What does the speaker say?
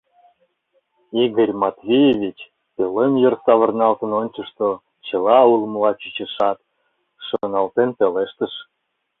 Игорь Матвеевич пӧлем йыр савырналтын ончышто, чыла улмыла чучешат, шоналтен пелештыш: